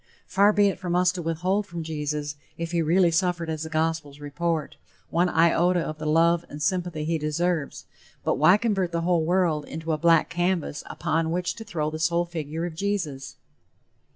Far be it from us to withhold from Jesus, if he really suffered as the gospels report, one iota of the love and sympathy he deserves, but why convert the whole world into a black canvas upon which to throw the sole figure of Jesus?